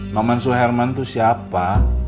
mamansu herman itu siapa